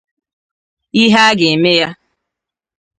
ihe a ga-eme ya